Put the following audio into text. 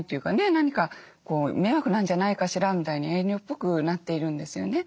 何か迷惑なんじゃないかしらみたいに遠慮っぽくなっているんですよね。